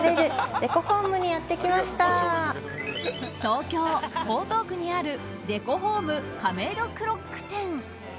東京・江東区にあるデコホーム、カメイドクロック店。